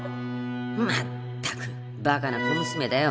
まったくバカな小娘だよ。